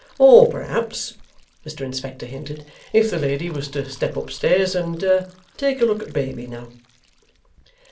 Or perhaps,' Mr Inspector hinted, 'if the lady was to step up stairs, and take a look at baby now!